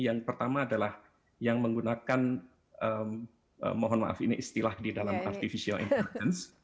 yang pertama adalah yang menggunakan mohon maaf ini istilah di dalam artificial intelligence